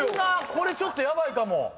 これちょっとヤバいかも。